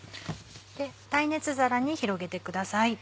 耐熱皿に広げてください。